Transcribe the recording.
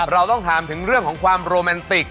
เราต้องถามถึงเรื่องของความโรแมนติก